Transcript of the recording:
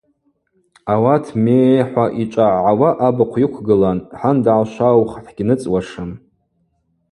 Ауат ме-ъе-ъе – хӏва йчӏвагӏгӏауа абыхъв йыквгылан – Хӏан дгӏашваух, хӏгьныцӏуашым.